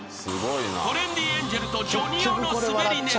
［トレンディエンジェルとジョニ男のスベりネタ］